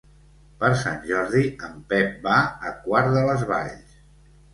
Per Sant Jordi en Pep va a Quart de les Valls.